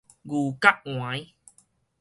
牛角 𨂿